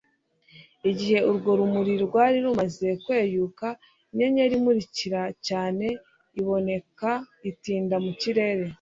Igihe urwo rumuri rwari rumaze kweyuka, inyenyeri imurika cyane iraboneka itinda mu kirere.